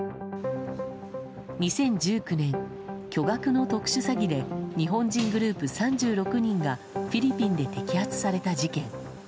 ２０１９年、巨額の特殊詐欺で日本人グループ３６人がフィリピンで摘発された事件。